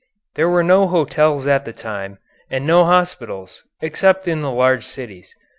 There were no hotels at that time, and no hospitals, except in the large cities.